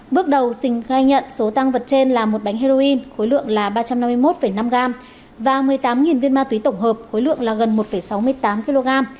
bước đầu sình khai nhận số tang vật trên là một bánh heroin khối lượng là ba trăm năm mươi một năm gram và một mươi tám viên ma túy tổng hợp khối lượng là gần một sáu mươi tám kg